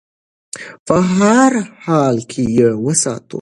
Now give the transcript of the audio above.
په هر حال کې یې وساتو.